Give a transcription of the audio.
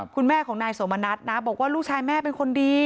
คุณแม่ของนายสมณัฐนะบอกว่าลูกชายแม่เป็นคนดี